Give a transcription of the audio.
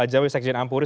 jawa dan sekjen ampuri